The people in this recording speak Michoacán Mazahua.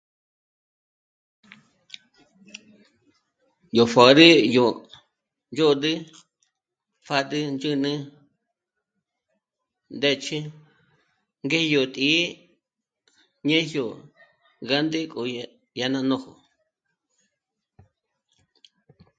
Yó pjöd'e yó ndzôdü pjâd'ül, ndzhǚnü, ndë́ch'i, ngé yó tí'i ñéjyo gánde k'o í dyá ná nójo